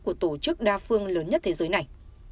của tổ chức đa phương lớn nhất thế giới này